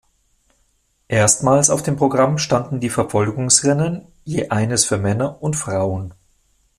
Erstmals auf dem Programm standen die Verfolgungsrennen, je eines für Männer und Frauen.